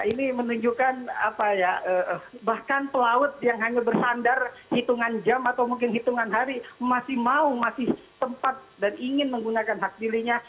ini menunjukkan apa ya bahkan pelaut yang hanya bersandar hitungan jam atau mungkin hitungan hari masih mau masih tempat dan ingin menggunakan hak pilihnya